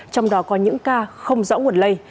trong đó có những ca không rõ nguồn lây